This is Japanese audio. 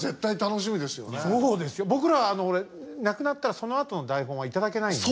僕ら亡くなったらそのあとの台本は頂けないので。